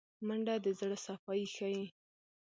منډه د زړه صفايي ښيي